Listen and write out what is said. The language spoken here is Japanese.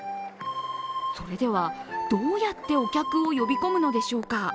それでは、どうやってお客を呼び込むのでしょうか。